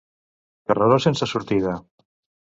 Carreró sense sortida.